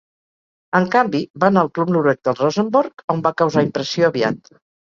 En canvi, va anar al club noruec del Rosenborg, on va causar impressió aviat.